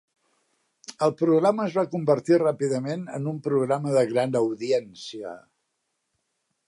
El programa es va convertir ràpidament en un programa de gran audiència.